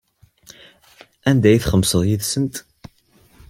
Anda ay txemmseḍ yid-sent?